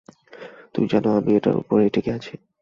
তুমি জানো আমি এটার ওপরই টিকে আছি।